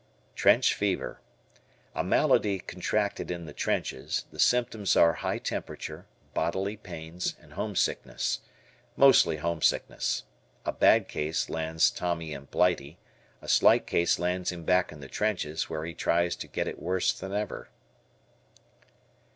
Trench Fever. A malady contracted in the trenches; the symptoms are high temperature, bodily pains, and homesickness. Mostly homesickness. A bad case lands Tommy in "Blighty," a slight case lands him back in the trenches, where he tries to get it worse than ever.